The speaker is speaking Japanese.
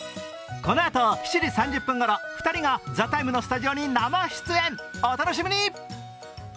このあと７時３０分ごろ２人が「ＴＨＥＴＩＭＥ，」のスタジオに生出演、お楽しみに。